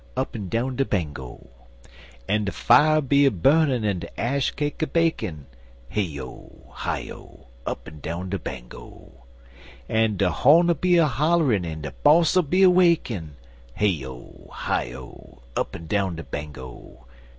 Up'n down de Bango! *1) An' de fier be a burnin' en' de ash cake a bakin', (Hey O! Hi O! Up'n down de Bango!) An' de ho'n 'll be a hollerin' en de boss 'll be a wakin' (Hey O! Hi O! Up'n down de Bango!)